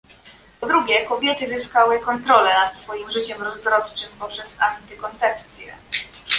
Po drugie kobiety zyskały kontrolę nad swoim życiem rozrodczym poprzez antykoncepcję